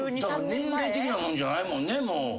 年齢的なもんじゃないもんね。